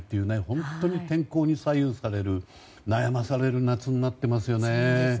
本当に天候に左右される悩まされる夏になっていますよね。